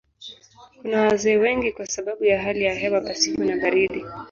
Kuna wazee wengi kwa sababu ya hali ya hewa pasipo na baridi.